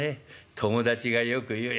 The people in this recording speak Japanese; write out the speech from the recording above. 友達がよく言うよ